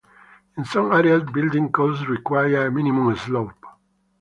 In some areas building codes require a minimum slope.